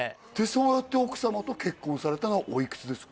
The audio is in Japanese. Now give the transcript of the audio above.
そうやって奥様と結婚されたのおいくつですか？